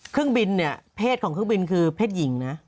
เครื่องบินเนี่ยเพศของเครื่องบินคือเพศหญิงนะ